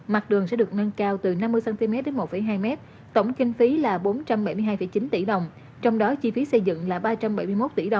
mặt đường sẽ được nâng cao từ năm mươi cm đến một hai m